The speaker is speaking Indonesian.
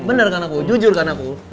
bener kan aku jujur kan aku